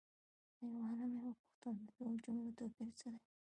له یو عالمه یې وپوښتل د دوو جملو توپیر څه دی؟